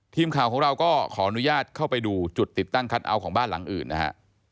ทีมข่าวของเราก็ขออนุญาตเข้าไปดูจุดติดตั้งคัทเอาท์ของบ้านหลังอื่นนะฮะ